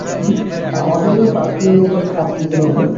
আমাদের ওই পাথরের উপর ঝাঁপ দিতে হবে!